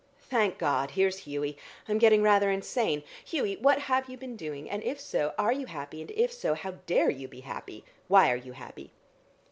Thank God, here's Hughie; I am getting rather insane. Hughie, what have you been doing, and if so, are you happy, and if so, how dare you be happy? Why are you happy?"